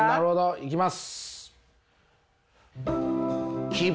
いきます。